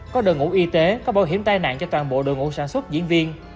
có đội ngũ y tế có bảo hiểm tai nạn cho toàn bộ đội ngũ sản xuất diễn viên